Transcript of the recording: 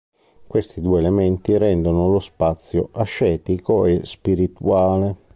Questi due elementi rendono lo spazio "ascetico" e "spirituale".